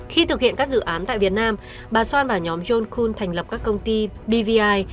khi thực hiện các dự án tại việt nam bà xoan và nhóm john khun thành lập các công ty bvi